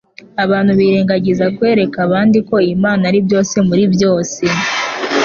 abantu birengagiza kwereka abandi ko Imana ari byose muri byose.